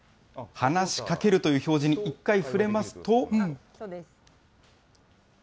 話しかけるという表示に一回触れますと。